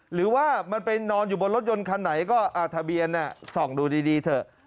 หรือว่ามันไปนอนอยู่บนรถยนต์คันไหนก็ทะเบียนส่องดูดีเถอะ